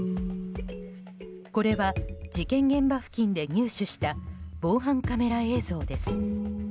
これは事件現場付近で入手した防犯カメラ映像です。